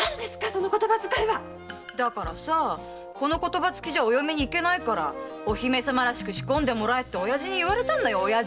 その言葉遣いは⁉だからさぁこの言葉つきじゃお嫁に行けないからお姫様らしく仕込んでもらえって親父に言われたんだよ。